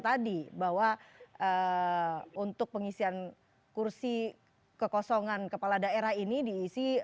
tadi bahwa untuk pengisian kursi kekosongan kepala daerah ini diisi